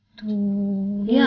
gak perlu kunci kunci aja kan